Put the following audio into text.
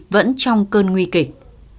vẫn trong cơn nguy kịch